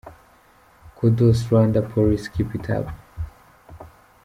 Kudos Rwanda police keep it up.